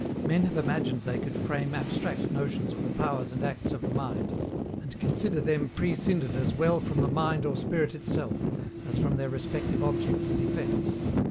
Men have imagined they could frame abstract notions of the powers and acts of the mind, and consider them prescinded as well from the mind or spirit itself, as from their respective objects and effects.